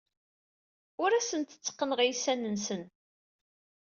Ur asent-tteqqneɣ iysan-nsen.